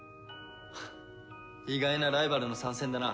意外なライバルの参戦だな。